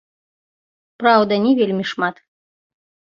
Праўда, не вельмі шмат.